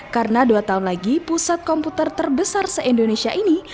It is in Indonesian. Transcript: karena dua tahun lagi pusat komputer terbesar se indonesia ini